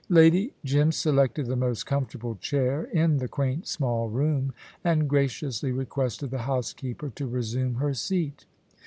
Lady Jim selected the most comfortable chair in the quaint small room, and graciously requested the housekeeper to resume her seat.